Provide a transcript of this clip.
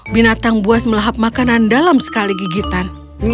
binatang buas melahap makanan dalam sekali gigitan